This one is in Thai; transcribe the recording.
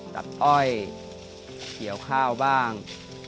ตัดอ้อยเขียวข้าวบ้าง